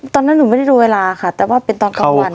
ตอนนั้นหนูไม่ได้ดูเวลาค่ะแต่ว่าเป็นตอนกลางวัน